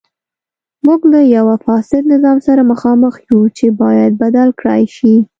موږ له یوه فاسد نظام سره مخامخ یو چې باید بدل کړای شي.